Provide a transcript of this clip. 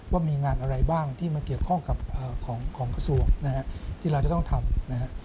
ว่ามีงานอะไรบ้างที่มาเกี่ยวข้องกับของกระทรวงนะฮะที่เราจะต้องทำนะฮะ